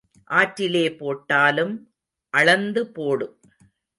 ஆற்றிலே போட்டாலும் அளந்து போடு.